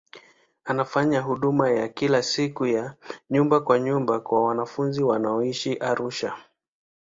Inafanya huduma ya kila siku ya nyumba kwa nyumba kwa wanafunzi wanaoishi Arusha.